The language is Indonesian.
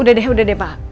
udah deh udah deh pak